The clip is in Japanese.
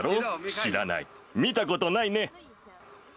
知らない、見たことないね。